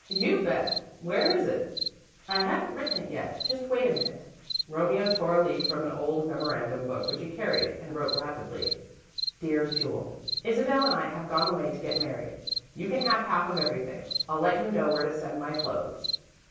"You bet. Where is it?" "I haven't written it yet. Just wait a minute." Romeo tore a leaf from an old memorandum book which he carried, and wrote rapidly: "DEAR JULE: "Isabel and I have gone away to get married. You can have half of everything. I'll let you know where to send my clothes.